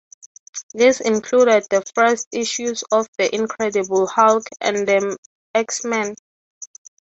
This included the first issues of "The Incredible Hulk" and "The X-Men".